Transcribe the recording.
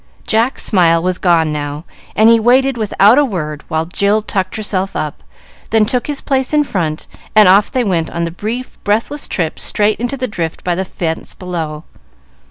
Jack's smile was gone now, and he waited without a word while Jill tucked herself up, then took his place in front, and off they went on the brief, breathless trip straight into the drift by the fence below.